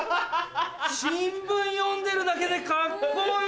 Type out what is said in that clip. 新聞読んでるだけでカッコいい！